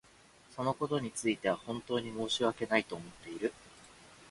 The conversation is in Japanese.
そのことについては本当に申し訳ないと思っている。